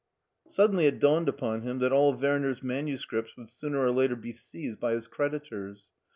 Suddenly it dawned upon him that all Werner's manuscripts would sooner or later be seized by his creditors.